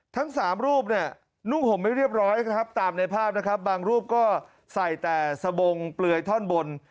ทั้งสามรูปนุ่งห่มไม่เรียบร้อยตามในภาพบางรูปก็ใส่แต่สบงเปลือยท่อนบน